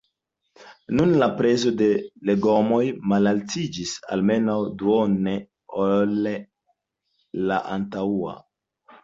Nun la prezo de legomoj malaltiĝis almenaŭ duone ol la antaŭa.